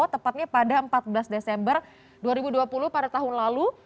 tepatnya pada empat belas desember dua ribu dua puluh pada tahun lalu